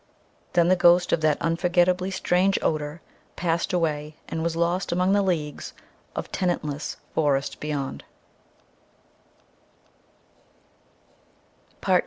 Then the ghost of that unforgettably strange odor passed away and was lost among the leagues of tenantless forest beyond.